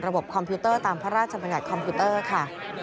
ระบบคอมพิวเตอร์ตามพระราชบรรยากาศคอมพิวเตอร์ค่ะ